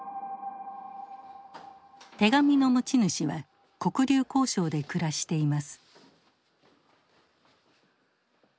手紙の持ち主は黒竜江省で暮らしています。